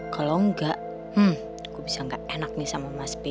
kalau enggak aku bisa gak enak nih sama mas pi